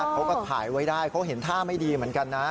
เขาก็ถ่ายไว้ได้เขาเห็นท่าไม่ดีเหมือนกันนะ